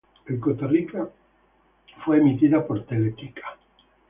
En Costa Rica fue emitida por Teletica.